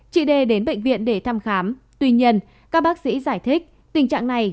chị đê đến bệnh viện để thăm khám tuy nhiên các bác sĩ giải thích tình trạng này